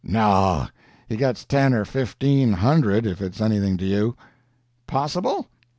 "No he gets ten or fifteen hundred, if it's anything to you." "Possible?